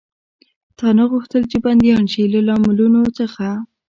تا نه غوښتل، چې بندیان شي؟ له لاملونو څخه.